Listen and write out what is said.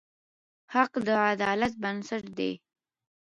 حق د عدالت بنسټ دی.